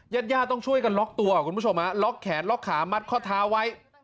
ญาติญาติต้องช่วยกันล็อกตัวคุณผู้ชมฮะล็อกแขนล็อกขามัดข้อเท้าไว้